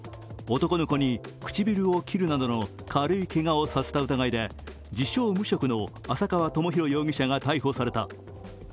男の子に唇を切るなどの軽いけがをさせた疑いで自称・無職の浅川友博容疑者が逮捕された。